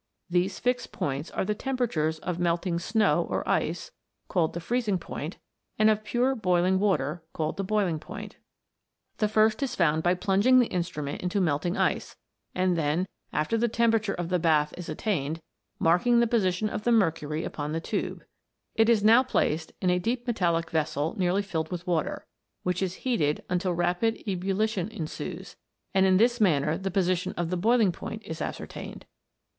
These fixed points are the temperatures of melting snow or ice, called the freezing point, and of pure boiling water, named the boiling point. The first is found by plunging the instrument into melting ice, and then, after the temperature of the bath is attained, marking the position of the mercury upon the tube ; it is now placed in a deep metallic vessel nearly filled with water, which is heated until rapid ebullition ensues, and in this manner the position of the boiling point is ascertained.